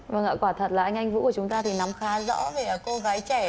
vâng ạ quả thật là anh anh vũ của chúng ta thì nóng khá rõ về cô gái trẻ